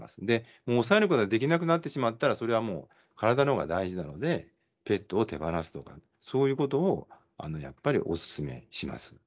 でもう抑えることができなくなってしまったらそれはもう体のほうが大事なのでペットを手放すとかそういうことをやっぱりおすすめします。